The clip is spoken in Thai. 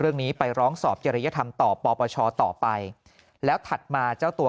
เรื่องนี้ไปร้องสอบเจริยธรรมต่อปปชต่อไปแล้วถัดมาเจ้าตัว